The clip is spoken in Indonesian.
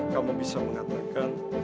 kamu bisa mengatakan